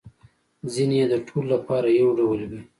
ځینې يې د ټولو لپاره یو ډول وي